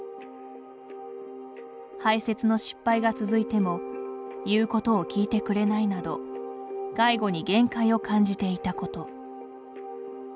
排せつの失敗が続いても言うことを聞いてくれないなど介護に限界を感じていたこと。